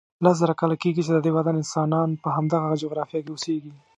لس زره کاله کېږي چې ددې وطن انسانان په همدغه جغرافیه کې اوسیږي.